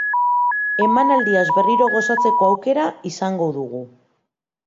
Emanaldiaz berriro gozatzeko aukera izango dugu.